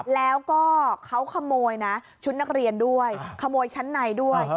แล้วก็เขาขโมยนะชุดนักเรียนด้วยขโมยชั้นในด้วย